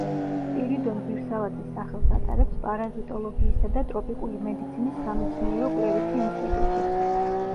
სპირიდონ ვირსალაძის სახელს ატარებს პარაზიტოლოგიისა და ტროპიკული მედიცინის სამეცნიერო-კვლევითი ინსტიტუტი.